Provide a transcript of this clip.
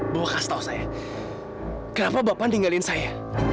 bahwa kasih tahu saya kenapa bapak tinggalin saya